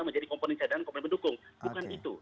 menjadi komponen cadangan komponen pendukung bukan itu